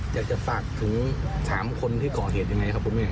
อยากจะฝากถึง๓คนที่ก่อเหตุยังไงครับคุณแม่